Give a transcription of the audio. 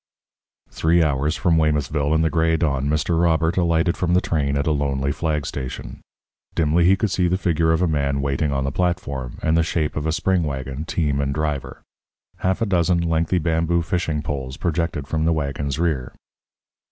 Three hours from Weymouthville, in the gray dawn, Mr. Robert alighted from the train at a lonely flag station. Dimly he could see the figure of a man waiting on the platform, and the shape of a spring waggon, team and driver. Half a dozen lengthy bamboo fishing poles projected from the waggon's rear.